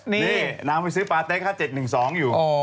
น้ำไปซื้อปลาเต๊กค่า๗๑๒อยู่